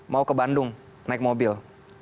mau ke bandung naik mobil